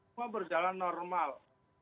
cuma berjalan normal